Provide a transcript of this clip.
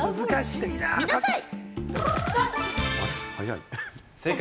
見なさい。